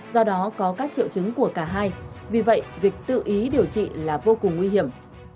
do đó có các triệu chứng của cả hai vì vậy việc tự ý điều trị là vô cùng nguy hiểm